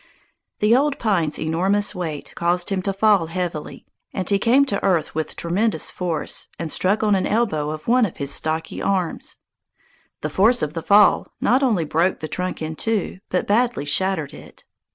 The old pine's enormous weight caused him to fall heavily, and he came to earth with tremendous force and struck on an elbow of one of his stocky arms. The force of the fall not only broke the trunk in two, but badly shattered it.